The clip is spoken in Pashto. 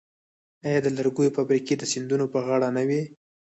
آیا د لرګیو فابریکې د سیندونو په غاړه نه وې؟